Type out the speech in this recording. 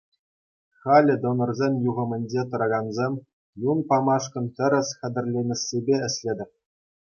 Халӗ донорсен юхӑмӗнче тӑракансем юн памашкӑн тӗрӗс хатӗрленнессипе ӗҫлетӗп.